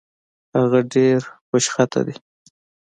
هغه ډېرې خوشخطه دي